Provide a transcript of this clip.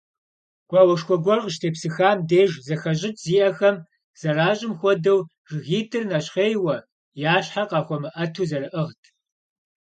Гуауэшхуэ гуэр къащытепсыхам деж зэхэщӀыкӀ зиӀэхэм зэращӀым хуэдэу, жыгитӀыр нэщхъейуэ, я щхьэр къахуэмыӀэту зэрыӀыгът.